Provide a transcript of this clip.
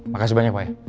makasih banyak pak ya